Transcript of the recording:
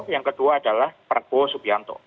yang kedua adalah prabowo subianto